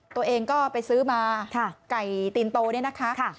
ตัวเองก็ไปซื้อมาไก่ตีนโตเนี่ยนะคะ